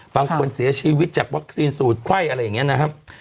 บางคนเสียชีวิตจากวัคซีนสูตรไข้อะไรอย่างนี้นะครับ